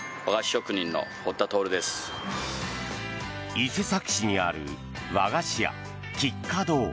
伊勢崎市にある和菓子屋菊花堂。